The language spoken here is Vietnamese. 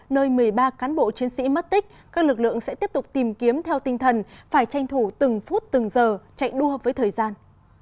nơi một mươi ba cán bộ chiến sĩ mất tích các lực lượng sẽ tiếp tục tìm kiếm theo tinh thần phải tranh thủ từng phút từng giờ chạy đua với thời gian